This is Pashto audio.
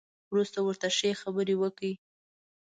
وروسته ورته ښې خبرې وکړئ.